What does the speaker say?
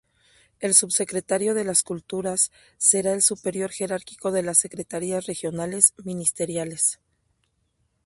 El Subsecretario de las Culturas será el superior jerárquico de las secretarías regionales ministeriales.